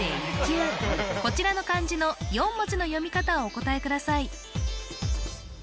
こちらの漢字の４文字の読み方をお答えください